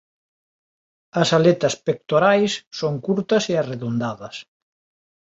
As aletas pectorais son curtas e arredondadas.